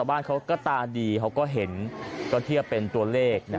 บ้านเขาก็ตาดีเขาก็เห็นก็เทียบเป็นตัวเลข